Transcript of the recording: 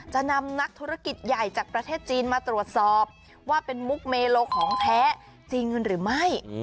จะนำนักธุรกิจใหญ่จากประเทศจีนมาตรวจสอบว่าเป็นมุกเมโลของแท้จริงหรือไม่